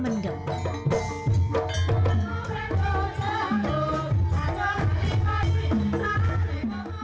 mendeng dalam ebek dapat diartikan sebagai kembali ke tempat yang lain